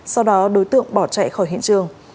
sau đó đối tượng bỏ chạy khỏi hiện trường